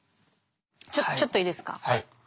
ちょちょっといいですか？